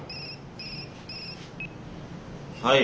はい。